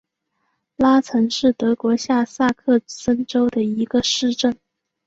拉岑是德国下萨克森州的一个市镇。